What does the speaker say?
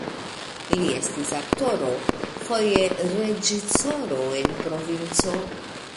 Li estis aktoro, foje reĝisoro en provinco.